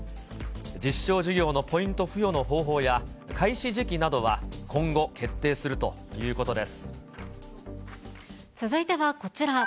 実証事業のポイント付与の方法や、開始時期などは今後決定するとい続いてはこちら。